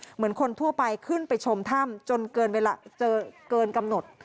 เหมือนคนทั่วไปขึ้นไปชมถ้ำจนเกินเวลาเจอเกินกำหนด